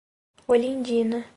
Olindina